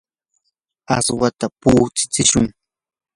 aswata puqutsishun.